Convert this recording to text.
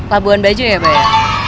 labuan bajo ya pak ya